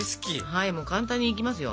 はいもう簡単にいきますよ。